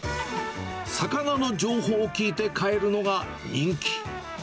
魚の情報を聞いて買えるのが人気。